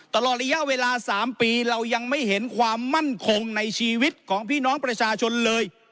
ตลอดระยะเวลา๓ปีเรายังไม่เห็นความมั่นคงในชีวิตของพี่น้องประชาชนเลย